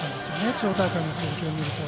地方大会の成績を見ると。